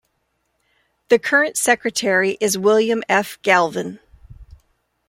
The current secretary is William F. Galvin.